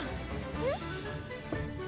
えっ？